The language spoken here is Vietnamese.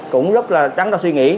cũng rất là trắng đau suy nghĩ